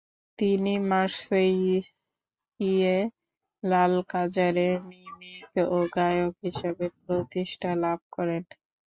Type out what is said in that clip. তিনি মার্সেইয়ে লালকাজারে মিমিক ও গায়ক হিসেবে প্রতিষ্ঠা লাভ করেন।